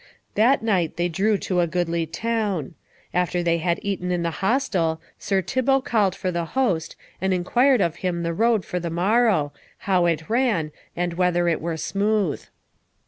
That night they drew to a goodly town. After they had eaten in the hostel, Sir Thibault called for the host and inquired of him the road for the morrow, how it ran, and whether it were smooth.